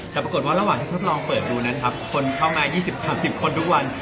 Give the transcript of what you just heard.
แต่ปรากฏว่าระหว่างที่ทดลองเปิดดูนั้นครับคนเข้ามา๒๐๓๐คนทุกวัน